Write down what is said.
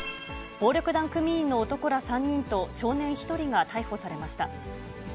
暴力団組員の男ら３人と少年１人が逮捕されました。